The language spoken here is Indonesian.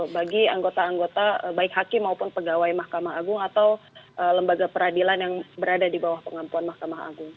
bagi anggota anggota baik hakim maupun pegawai mahkamah agung atau lembaga peradilan yang berada di bawah pengampuan mahkamah agung